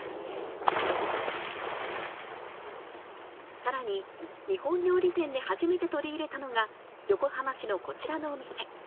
さらに、日本料理店で初めて取り入れたのが、横浜市のこちらのお店。